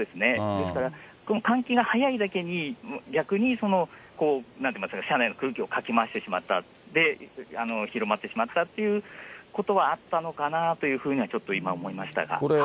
ですから換気が早いだけに、逆に車内の空気をかき回してしまった、で、広まってしまったということはあったのかなというふうにはちょっと今、思いましたが。